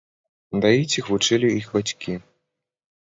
Даіць іх вучылі іх бацькі.